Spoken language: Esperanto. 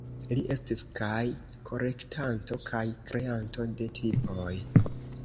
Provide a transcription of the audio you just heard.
Li estis kaj kolektanto kaj kreanto de tipoj.